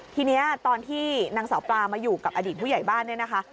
ทีนี้ตอนที่นางสาวปลามาอยู่กับอดีตผู้ใหญ่บ้านเนี่ยนะคะ